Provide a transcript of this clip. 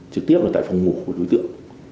trực tiếp là tại phòng ngủ của đối tượng